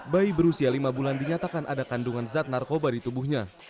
bayi berusia lima bulan dinyatakan ada kandungan zat narkoba di tubuhnya